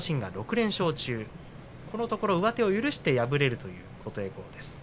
このところ上手を許して敗れている琴恵光です。